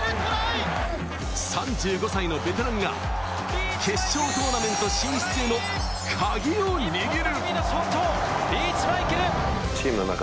３５歳のベテランが決勝トーナメント進出へのカギを握る。